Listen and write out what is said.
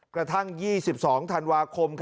กระทั่ง๒๒ธันวาคม